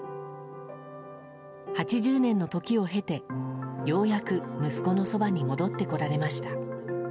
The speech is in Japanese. ８０年の時を経てようやく息子のそばに戻ってこられました。